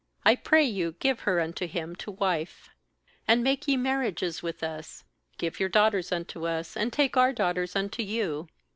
I pray you give her unto him to wife. 9And make ye marriages with us; give your daughters unto us, and take our daughters unto you.